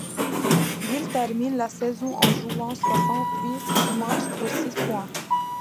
Gill termine la saison en jouant soixante-huit matchs pour six points.